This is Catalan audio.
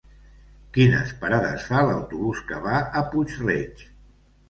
Quines parades fa l'autobús que va a Puig-reig?